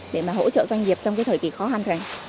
để hỗ trợ doanh nghiệp trong thời kỳ khó khăn